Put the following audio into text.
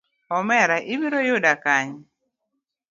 Omera ibiro yuda kanye?